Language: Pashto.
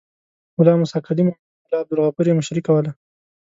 ملا موسی کلیم او ملا عبدالغفور یې مشري کوله.